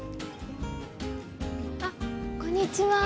あこんにちは。